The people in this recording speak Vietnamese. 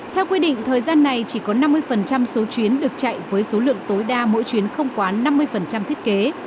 theo quy định thời gian này chỉ có năm mươi số chuyến được chạy với số lượng tối đa mỗi chuyến không quá năm mươi thiết kế